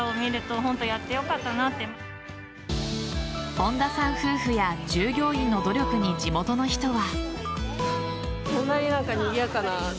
本田さん夫婦や従業員の努力に地元の人は。